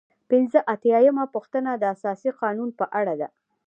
پنځه اتیا یمه پوښتنه د اساسي قانون په اړه ده.